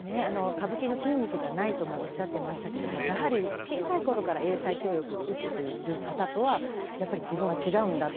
歌舞伎の筋肉がないともおっしゃってましたけれども、やはり小さいころから英才教育を受けている方とはやっぱり自分は違うんだと。